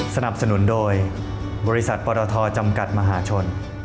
สนับสนุนโดยบริษัทปรทจำกัดมหาชน